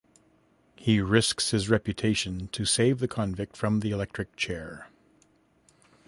He risks his reputation to save the convict from the electric chair.